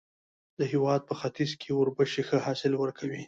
د هېواد په ختیځ کې اوربشې ښه حاصل ورکوي.